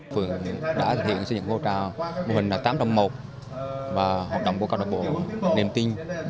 phường đã thực hiện xây dựng mô trào mô hình là tám trong một và hợp đồng của câu lạc bộ niềm tin